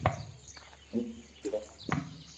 ھون ايڪ لوھار ھون